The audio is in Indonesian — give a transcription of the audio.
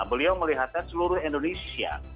beliau melihatnya seluruh indonesia